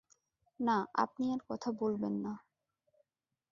না, আপনি আর কথা বলবেন না।